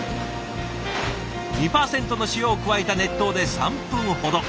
２％の塩を加えた熱湯で３分ほど。